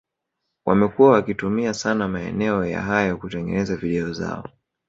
wamekuwa wakitumia sana maeneo ya hayo kutengeneza video zao